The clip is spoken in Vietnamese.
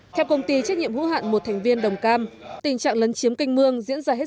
theo công ty trách nhiệm hữu hạn một thành viên đồng cam tình trạng lấn chiếm canh mương diễn ra hết